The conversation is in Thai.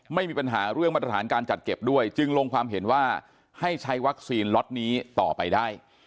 ไม่มีปัญหาเรื่องมาตรฐานการจัดเก็บด้วยจึงลงความเห็นว่าให้ใช้วัคซีนล็อตนี้ต่อไปได้